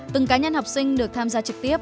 từng cá nhân học sinh được tham gia trực tiếp